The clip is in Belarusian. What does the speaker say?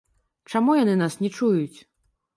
Чаму яны нас не чуюць?